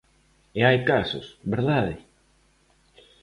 E hai casos, ¿verdade?